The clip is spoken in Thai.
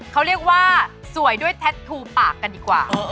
เขาเรียกว่าสวยด้วยแท็กทูปากกันดีกว่า